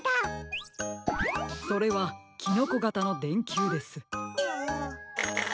それはキノコがたのでんきゅうです。